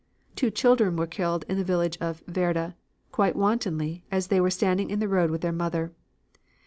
Two children were killed in the village of Weerde, quite wantonly as they were standing in the road with their mother.